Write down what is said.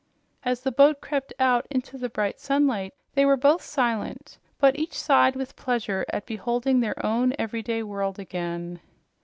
As the boat crept out into the bright sunlight, they were both silent, but each sighed with pleasure at beholding their own everyday world again.